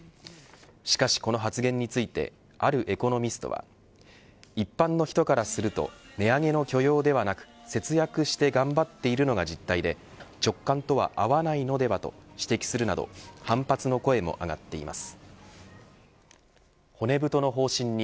しかしこの発言についてあるエコノミストは一般の人からすると値上げの許容ではなく節約して頑張っているのが実態で直感とは合わないのではと指摘するなど反発の声も上がっています。